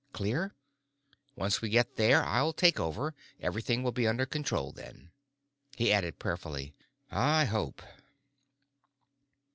Clear? Once we get there, I'll take over; everything will be under control then." He added prayerfully, "I hope."